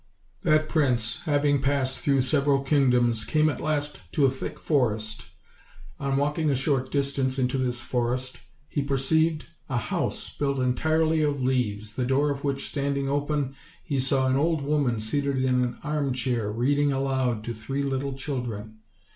That prince, having passed through several kingdoms, came at last to a thick forest. On walking a short dis tance into this forest, he perceived a house built entirely of leaves, the door of which standing open, he saw an old woman seated in an armchair reading aloud to three little children.